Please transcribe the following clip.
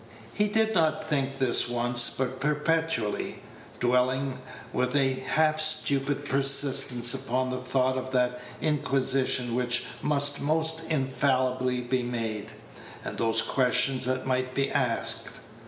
He did not think this once, but perpetually, dwelling with a half stupid persistence upon the thought of that inquisition which must most infallibly be made, and those questions that might be asked.